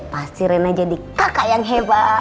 pasti rena jadi kakak yang hebatnya